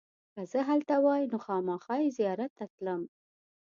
که زه هلته وای نو خامخا یې زیارت ته تلم.